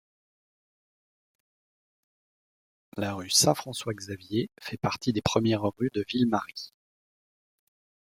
La rue Saint-François-Xavier fait partie des premières rues de Ville-Marie.